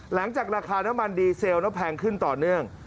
หลังจากราคาน้ำมันดีเซลแพงขึ้นต่อเนื่อง